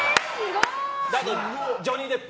ジョニー・デップ。